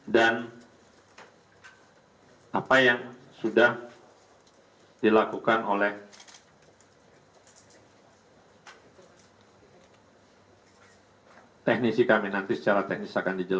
dan apa yang sudah dilakukan oleh teknisi kami nanti secara teknis